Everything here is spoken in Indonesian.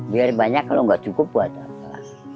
biar banyak kalau nggak cukup buat apa